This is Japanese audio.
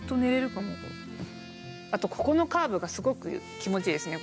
あとここのカーブがすごく気持ちいいですね。